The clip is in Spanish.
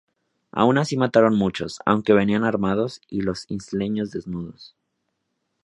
Aun así mataron muchos, aunque venían armados y los isleños desnudos.